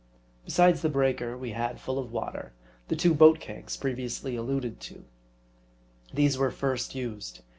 Besides the breaker, We had, full of water, the two boat kegs, previously alluded to. These were first used.